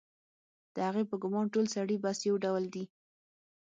د هغې په ګومان ټول سړي بس یو ډول دي